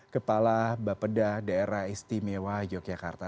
kepala bapeda daerah istimewa yogyakarta